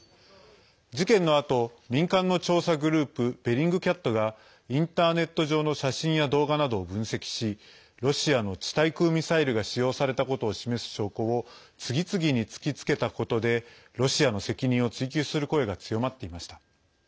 事件のあと、民間の調査グループべリングキャットがインターネット上の写真や動画などを分析しロシアの地対空ミサイルが使用されたことを示す証拠を次々に突きつけたことでロシアの責任を追及する声が強まっていました。